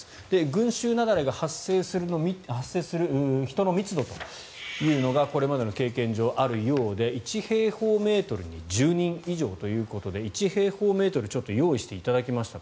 群衆雪崩が発生する人の密度というのがこれまでの経験上あるようで１平方メートルに１０人以上ということで１平方メートル、ちょっと用意していただきました。